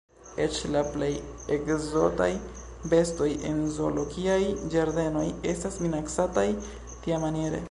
Eĉ la plej ekzotaj bestoj en zoologiaj ĝardenoj estas minacataj tiamaniere!